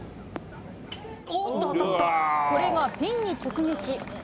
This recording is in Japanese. これがピンに直撃。